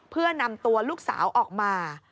เพื่อนำตัวลูกสาวออกมา